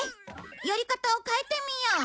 やり方を変えてみよう。